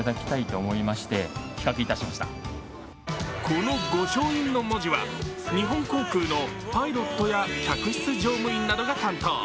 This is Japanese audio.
この御翔印の文字は日本航空のパイロットや客室乗務員などが担当。